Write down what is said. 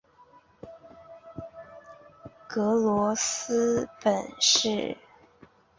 格罗斯迪本是德国萨克森州的一个市镇。